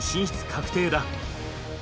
確定だ。